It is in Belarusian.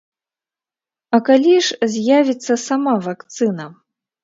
А калі ж з'явіцца сама вакцына?